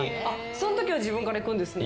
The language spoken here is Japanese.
そんときは自分からいくんですね。